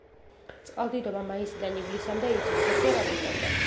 წყალდიდობა მაისიდან ივლისამდე იცის, ზოგჯერ აგვისტომდე.